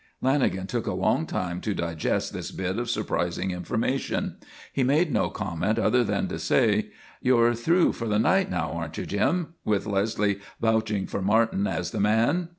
Lanagan took a long time to digest this bit of surprising information. He made no comment other than to say: "You're through for the night now, aren't you, Jim? With Leslie vouching for Martin as the man?"